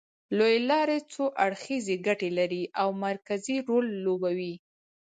لوېې لارې څو اړخیزې ګټې لري او مرکزي رول لوبوي